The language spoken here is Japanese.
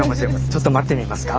ちょっと待ってみますか？